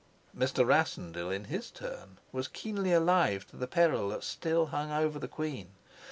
Mr. Rassendyll, in his turn, was keenly alive to the peril that still hung over the queen.